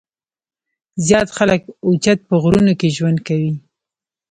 زيات خلک اوچت پۀ غرونو کښې ژوند کوي ـ